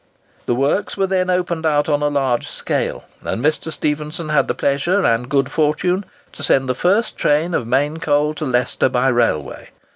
The works were then opened out on a large scale, and Mr. Stephenson had the pleasure and good fortune to send the first train of main coal to Leicester by railway.